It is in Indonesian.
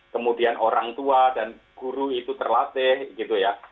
kemudian orang tua dan guru itu terlatih gitu ya